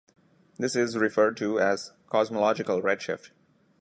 This is referred to as cosmological redshift.